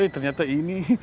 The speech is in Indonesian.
eh ternyata ini